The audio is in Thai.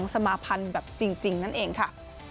สมาภัณฑ์แบบจริงนั่นเองค่ะ